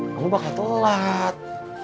kamu bakal telat